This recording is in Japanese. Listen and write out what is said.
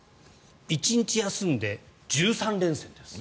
１日休んで１３連戦です。